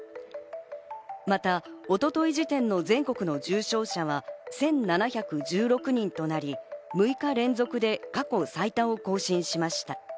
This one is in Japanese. また一昨日時点の全国の重症者は１７１６人となり、６日連続で過去最多を更新しました。